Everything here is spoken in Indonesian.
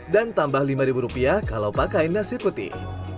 dan tambah lima ribu rupiah kalau pakai nasi putih